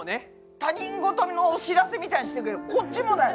他人事のお知らせみたいにしてるけどこっちもだよ！